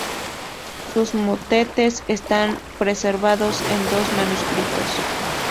Sus motetes están preservados en dos manuscritos.